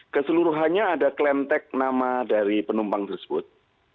keseluruhannya ada klenteng nama dari penumpang tersebut